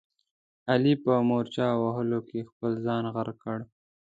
علي په مارچه وهلو کې خپل ځان غرق کړ.